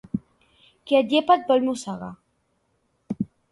Qui et llepa et vol mossegar.